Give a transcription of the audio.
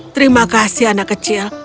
terima kasih anak kecil